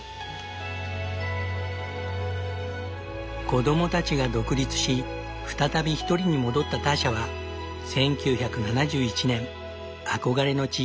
子供たちが独立し再びひとりに戻ったターシャは１９７１年憧れの地